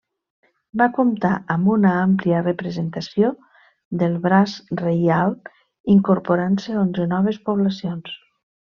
Va comptar amb una àmplia representació del braç reial incorporant-se onze noves poblacions.